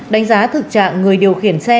đánh giá thực trạng người điều khiển xe